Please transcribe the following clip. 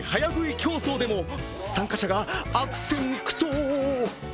競争でも参加者が悪戦苦闘。